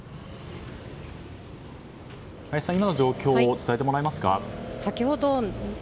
今の状況を伝えてもらえますか。